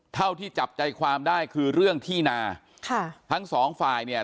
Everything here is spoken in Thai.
เท่าที่จับใจความได้คือเรื่องที่นาค่ะทั้งสองฝ่ายเนี่ย